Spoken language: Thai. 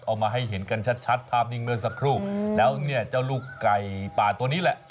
เอามาให้เห็นกันชัดภาพนิ่งเมื่อสักครู่แล้วเนี่ยเจ้าลูกไก่ป่าตัวนี้แหละ